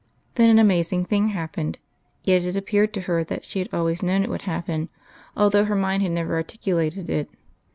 Then an amazing thing happened yet it appeared to her that she had always known it would happen, although her mind had never articulated it.